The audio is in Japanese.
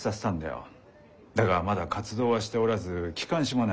だがまだ活動はしておらず機関誌もない。